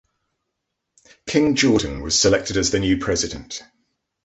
King Jordan was selected as the new president.